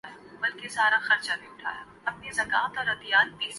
دنیا میں آج کل کرپشن ایک موضوعی تصور بن چکی ہے۔